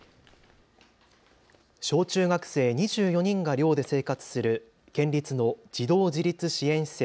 小中学生２４人が寮で生活する県立の児童自立支援施設